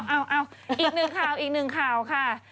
เอาอีกหนึ่งข่าวอีกหนึ่งข่าวค่ะ